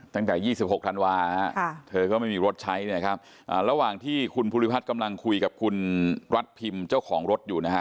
ตั้งแต่๒๖ธันวาเธอก็ไม่มีรถใช้เนี่ยครับระหว่างที่คุณภูริพัฒน์กำลังคุยกับคุณรัฐพิมพ์เจ้าของรถอยู่นะฮะ